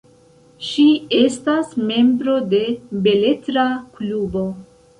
Ŝi estas membro de beletra klubo.